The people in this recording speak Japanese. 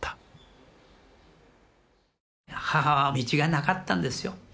母は道がなかったんですよ。